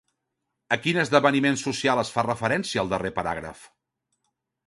A quin esdeveniment social es fa referència al darrer paràgraf?